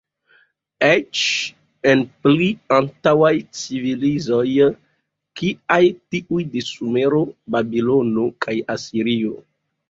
Eĉ en pli antaŭaj civilizoj kiaj tiuj de Sumero, Babilono kaj Asirio.